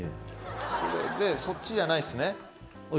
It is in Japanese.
それでそっちじゃないですね。